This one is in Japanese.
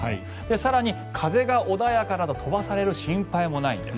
更に風が穏やかなので飛ばされる心配がないんです。